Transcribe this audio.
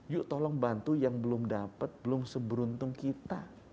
yuk tolong bantu yang belum dapat belum seberuntung kita